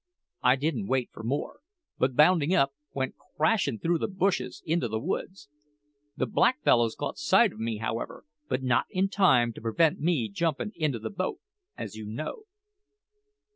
I didn't wait for more, but bounding up, went crashing through the bushes into the woods. The black fellows caught sight of me, however, but not in time to prevent me jumpin' into the boat, as you know."